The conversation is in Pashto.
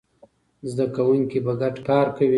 زده کوونکي به ګډ کار کوي.